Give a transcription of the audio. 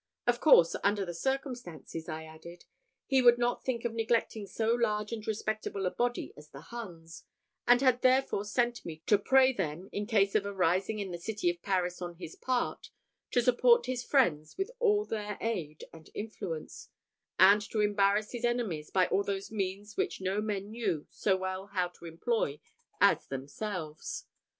Of course, under these circumstances, I added, he would not think of neglecting so large and respectable a body as the Huns, and had therefore sent me to pray them, in case of a rising in the city of Paris on his part, to support his friends with all their aid and influence, and to embarrass his enemies by all those means which no men knew so well how to employ as themselves.